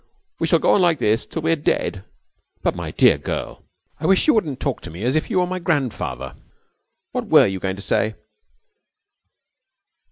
We shall go on like this till we're dead.' 'But, my dear girl!' 'I wish you wouldn't talk to me as if you were my grandfather. What were you going to say?'